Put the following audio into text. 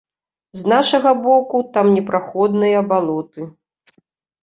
З нашага боку там непраходныя балоты.